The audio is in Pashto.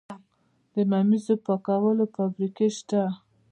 د ممیزو پاکولو فابریکې شته؟